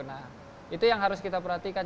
nah itu yang harus kita perhatikan